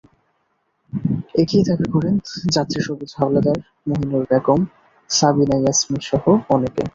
একই দাবি করেন যাত্রী সবুজ হাওলাদার, মাহিনুর বেগম, সাবিনা ইয়াসমিনসহ অনেকে।